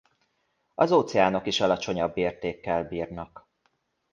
Az óceánok is alacsonyabb értékkel bírnak.